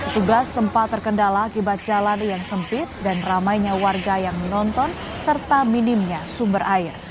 tugas sempat terkendala akibat jalan yang sempit dan ramainya warga yang menonton serta minimnya sumber air